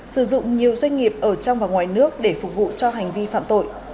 sử dụng nhiều doanh nghiệp ở trong và ngoài nước để phục vụ cho hành vi phạm tội